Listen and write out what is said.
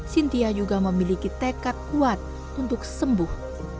sintia juga memiliki tekat kuat untuk sembuh